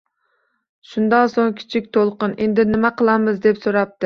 Shundan so‘ng kichik to‘lqin “Endi nima qilamiz?” deb so‘rabdi